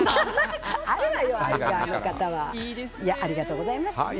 ありがとうございます。